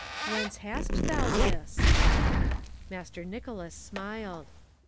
"Whence hadst thou this?" Master Nicholas smiled.